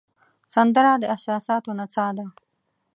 سندره د احساساتو نڅا ده